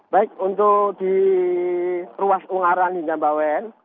baik untuk di ruas ungaran hingga bawen